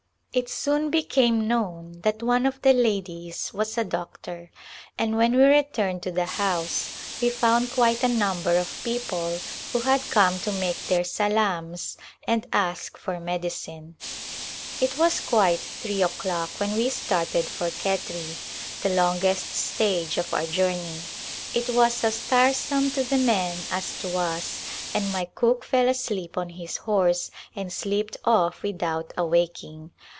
It soon became known that one of the ladies was a doctor and when we returned to the house we found quite a number of people who had come to make their salams and ask for medicine. It was quite three o'clock when we started for Khetri, the longest stage of our journey. It was as tiresome to the men as to us and my cook fell asleep on his horse and slipped off without awaking.